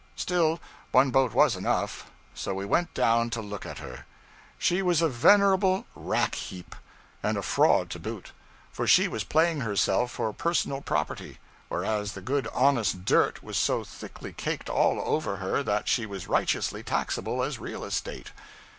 Still, one boat was enough; so we went down to look at her. She was a venerable rack heap, and a fraud to boot; for she was playing herself for personal property, whereas the good honest dirt was so thickly caked all over her that she was righteously taxable as real estate.